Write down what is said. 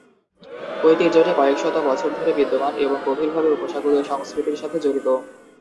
ঐতিহ্যটি কয়েক শত বছর ধরে বিদ্যমান এবং গভীরভাবে উপসাগরীয় সংস্কৃতির সাথে জড়িত।